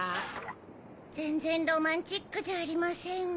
ぜんぜんロマンチックじゃありませんわ。